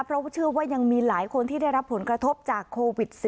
เพราะว่าเชื่อว่ายังมีหลายคนที่ได้รับผลกระทบจากโควิด๑๙